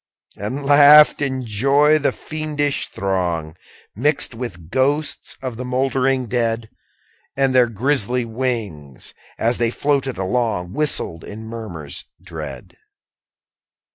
15. And laughed, in joy, the fiendish throng, Mixed with ghosts of the mouldering dead: And their grisly wings, as they floated along, Whistled in murmurs dread.